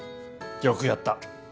よくやった